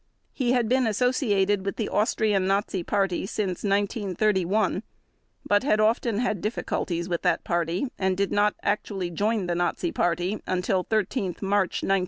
He had been associated with the Austrian Nazi Party since 1931, but had often had difficulties with that Party and did not actually join the Nazi Party until 13 March 1938.